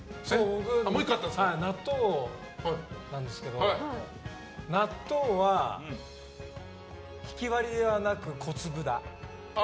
納豆なんですけど納豆はひきわりではなく小粒だ。